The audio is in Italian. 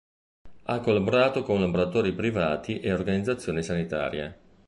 Ha collaborato con laboratori privati e organizzazioni sanitarie.